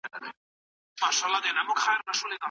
کاینات په یوه ځانګړي نظم روان دي.